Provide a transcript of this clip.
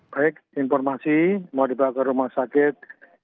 baik informasi mau dibawa ke rumah sakit